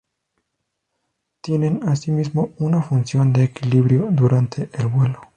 Tienen asimismo una función de equilibrio durante el vuelo.